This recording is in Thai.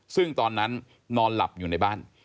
ซึ่งตอนนั้นนอนหลับอยู่ในบ้าน